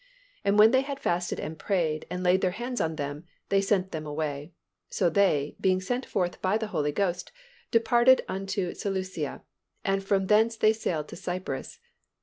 And when they had fasted and prayed, and laid their hands on them, they sent them away. So they, being sent forth by the Holy Ghost, departed into Seleucia; and from thence they sailed to Cyprus."